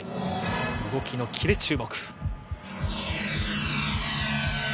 動きのキレに注目。